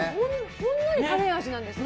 ほんのりカレー味なんですね。